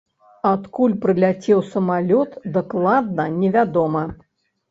Адкуль прыляцеў самалёт, дакладна невядома.